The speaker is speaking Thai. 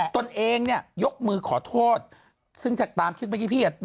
ตนเองเนี่ยยกมือขอโทษซึ่งจากตามชื่อเมื่อกี้พี่